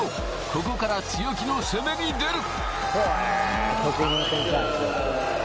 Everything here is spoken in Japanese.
ここから強気の攻めに出る。